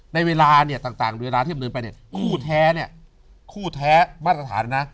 ในเวลาเนี่ยต่างเวลาที่ดำเนินไปเนี่ยคู่แท้เนี่ยคู่แท้มาตรฐานนะ